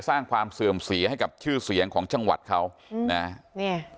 สร้างความเสื่อมเสียให้กับชื่อเสียงของจังหวัดเขาอืมนะเนี่ย